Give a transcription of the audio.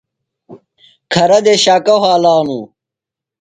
کھرہ دےۡ شاکہ وھالانوۡ۔